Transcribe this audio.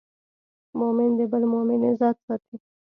مؤمن د بل مؤمن عزت ساتي.